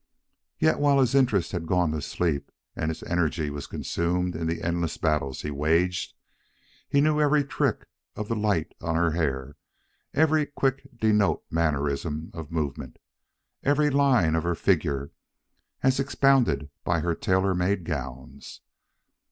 Yet, while his interest had gone to sleep and his energy was consumed in the endless battles he waged, he knew every trick of the light on her hair, every quick denote mannerism of movement, every line of her figure as expounded by her tailor made gowns.